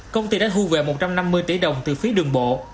công ty đã thu về một trăm năm mươi tỷ đồng từ phí đường bộ